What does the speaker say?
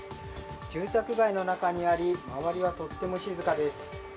住宅街の中にあり周りはとっても静かです。